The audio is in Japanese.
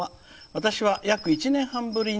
私は約１年半ぶりに」。